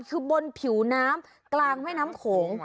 คือบนผิวน้ำกลางแม่น้ำโขง